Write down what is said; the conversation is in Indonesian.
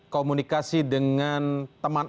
komunikasi dengan teman